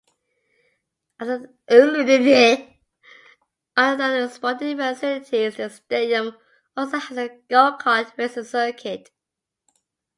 Other than sporting facilities, the stadium also has a go-kart racing circuit.